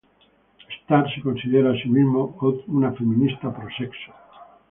Starr se considera a sí misma una feminista pro-sexo.